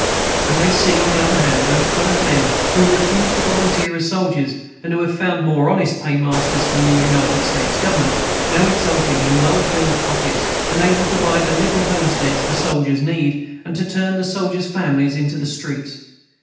And they see, on the other hand, those colored men who refused to volunteer as soldiers, and who have found more honest paymasters than the United States Government, now exulting in well filled pockets, and able to buy the little homesteads the soldiers need, and to turn the soldiers' families into the streets.